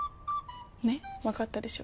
ねっわかったでしょ。